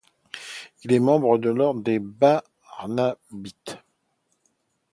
Il est membre de l'ordre des barnabites.